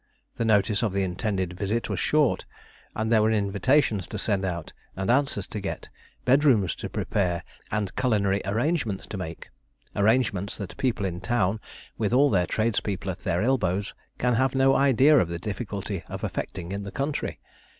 The notice of the intended visit was short; and there were invitations to send out, and answers to get, bedrooms to prepare, and culinary arrangements to make arrangements that people in town, with all their tradespeople at their elbows, can have no idea of the difficulty of effecting in the country.